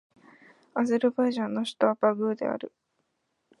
アゼルバイジャンの首都はバクーである